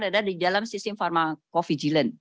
adalah di dalam sistem pharmacovigilance